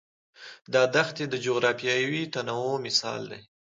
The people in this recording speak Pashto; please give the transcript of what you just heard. دا دښتې د جغرافیوي تنوع مثال دی.